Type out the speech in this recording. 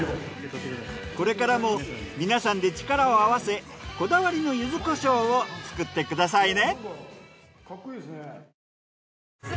これからも皆さんで力を合わせこだわりの柚子胡椒を作ってくださいね。